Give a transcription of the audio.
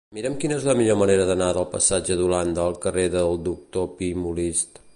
Mira'm quina és la millor manera d'anar del passatge d'Holanda al carrer del Doctor Pi i Molist.